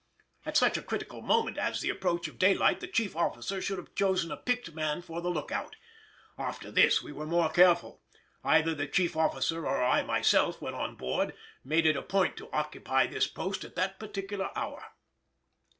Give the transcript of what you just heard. At such a critical moment as the approach of daylight the chief officer should have chosen a picked man for the look out. After this we were more careful: either the chief officer or I myself, when on board, making it a point to occupy this post at that particular hour.